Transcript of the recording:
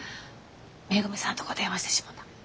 めぐみさんとこ電話してしもた。